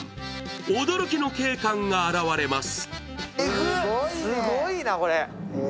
驚きの景観が現れます。